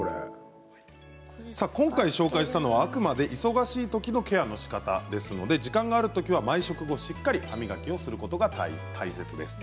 今回、紹介したのはあくまで忙しいときのケアのしかたですので時間があるときは毎食後しっかり歯磨きをすることが大切です。